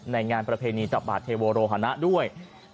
งานประเพณีตับบาทเทโวโรหนะด้วย